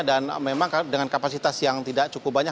dan memang dengan kapasitas yang tidak cukup banyak